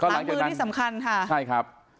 ล้างมือที่สำคัญค่ะ